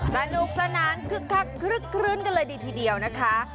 สนุกสนานคึกคักคลึกคลื้นกันเลยดีทีเดียวนะคะ